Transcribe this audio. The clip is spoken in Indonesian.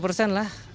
tujuh puluh persen lah